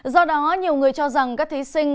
do đó nhiều người cho rằng các thí sinh